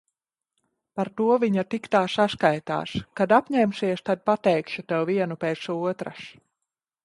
Par to viņa tik tā saskaitās. Kad apņemsies, tad pateikšu tev vienu pēc otras.